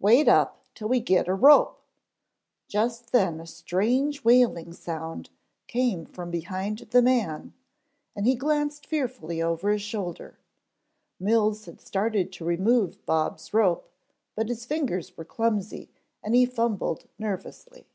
"Wait up till we get a rope " Just then a strange wailing sound came from behind the man and he glanced fearfully over his shoulder. Mills had started to remove Bob's rope, but his fingers were clumsy and he fumbled nervously.